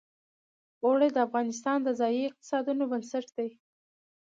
اوړي د افغانستان د ځایي اقتصادونو بنسټ دی.